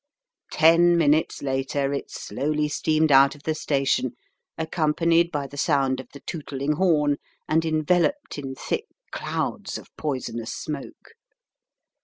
Ten minutes later it slowly steamed out of the station, accompanied by the sound of the tootling horn and enveloped in thick clouds of poisonous smoke.